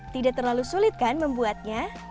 tidak terlalu sulit kan membuatnya